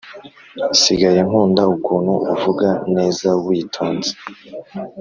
sigaye nkunda ukuntu uvuga neza witonze